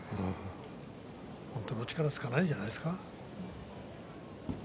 本当の力がつかないんじゃないですか。